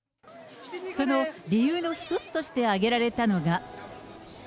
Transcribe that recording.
その理由の一つとして挙げられたのが。